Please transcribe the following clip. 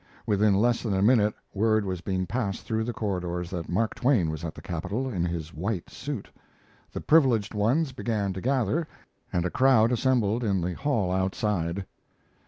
Within less than a minute word was being passed through the corridors that Mark Twain was at the Capitol in his white suit. The privileged ones began to gather, and a crowd assembled in the hall outside.